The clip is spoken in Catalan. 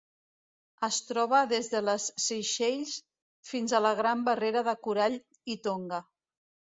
Es troba des de les Seychelles fins a la Gran Barrera de Corall i Tonga.